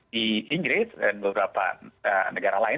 di inggris dan beberapa negara lain